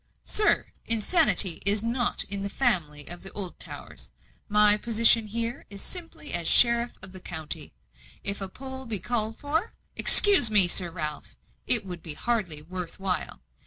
"Sir, insanity is not in the family of the Oldtowers. My position here is simply as sheriff of the county. If a poll be called for " "Excuse me, Sir Ralph, it would be hardly worth while.